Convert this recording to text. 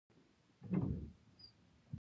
دا برخه په باکتریايي حجره کې حتمي ده.